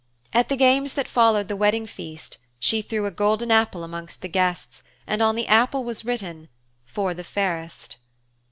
At the games that followed the wedding feast she threw a golden apple amongst the guests, and on the apple was written "For the fairest."